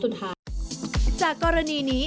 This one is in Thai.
เธออยากให้ชี้แจ่งความจริง